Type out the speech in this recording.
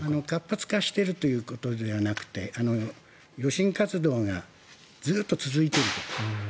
活発化しているということではなくて余震活動がずっと続いていると。